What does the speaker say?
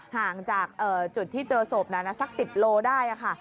ห่างจากจุดที่เจอศพนั้นสัก๑๐โลได้ค่ะ